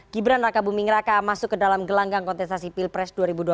gibran raka buming raka masuk ke dalam gelanggang kontestasi pilpres dua ribu dua puluh